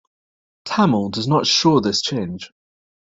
Tamil does not show this change.